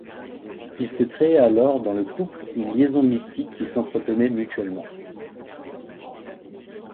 Il se crée alors dans le couple une liaison mystique qui s'entretenait mutuellement.